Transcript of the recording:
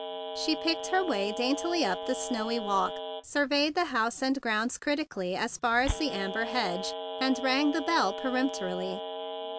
She picked her way daintily up the snowy walk, surveyed the house and grounds critically as far as the Amber hedge, and rang the bell peremptorily.